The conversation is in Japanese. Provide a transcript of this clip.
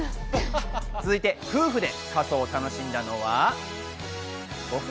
続いて、夫婦で仮装を楽しんだのは。